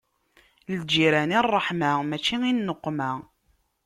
Lǧiran i ṛṛeḥma, mačči i nneqma.